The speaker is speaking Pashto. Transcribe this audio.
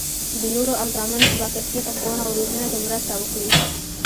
د لوڼو او زامنو په باکیفیته ښوونه او روزنه کې مرسته وکړي.